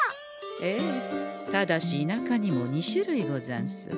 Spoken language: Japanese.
ええただし田舎にも２種類ござんす。